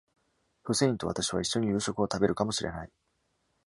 フセインと私は一緒に夕食を食べるかもしれない。